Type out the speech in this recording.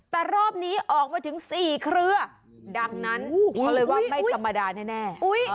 แต่รอบนี้ออกมาถึง๔เครือดังนั้นเขาเลยว่าไม่ธรรมดาแน่